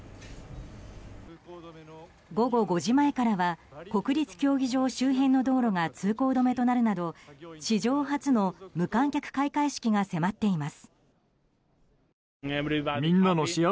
午後５時前からは国立競技場周辺の道路が通行止めとなるなど史上初の無観客開会式が迫っています。